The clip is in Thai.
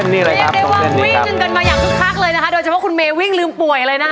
มาอย่างทุกครั้งเลยนะคะโดยเฉพาะคุณเมย์วิ่งลืมป่วยเลยนะ